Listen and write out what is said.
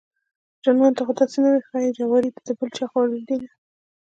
جانانه ته خوداسې نه وې ښايي جواري دې دبل چاخوړلي دينه